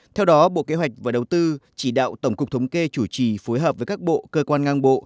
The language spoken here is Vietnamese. theo đó bộ kế hoạch và đầu tư chỉ đạo tổng cục thống kê chủ trì phối hợp với các bộ cơ quan ngang bộ